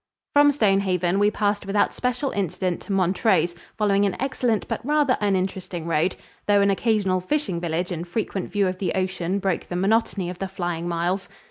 From Stonehaven we passed without special incident to Montrose, following an excellent but rather uninteresting road, though an occasional fishing village and frequent view of the ocean broke the monotony of the flying miles.